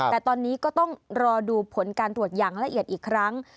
แต่ตอนนี้ก็ต้องรอดูผลการตรวจอย่างละเอียดอีกครั้ง